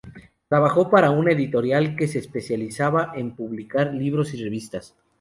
Trabajó para un editorial que se especializaba en publicar libros y revistas.